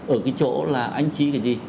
ở cái chỗ là anh chị cái gì